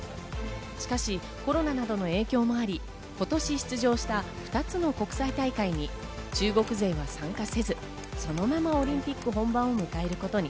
しかしコロナなどの影響もあり今年出場した２つの国際大会に中国勢は参加せず、そのままオリンピック本番を迎えることに。